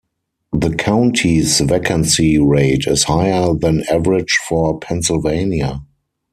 The county's vacancy rate is higher than average for Pennsylvania.